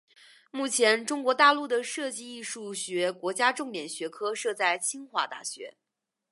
目前中国大陆的设计艺术学国家重点学科设在清华大学。